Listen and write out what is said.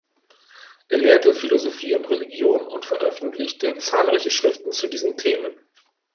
Er lehrte Philosophie und Religion und veröffentlichte zahlreiche Schriften zu diesen Themen.